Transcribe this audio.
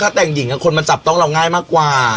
แต่งหญิงคนมันจับต้องเราง่ายมากกว่า